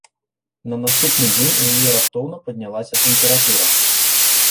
На наступны дзень у яе раптоўна паднялася тэмпература.